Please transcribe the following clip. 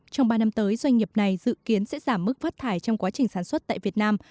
trong ba năm tới doanh nghiệp này dự kiến sẽ giảm mức phát thải trong quá trình sản xuất tại việt nam